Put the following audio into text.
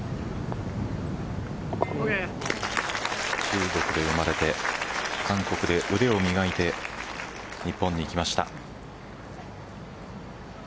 中国で生まれて韓国で腕を磨いて日本に来ました。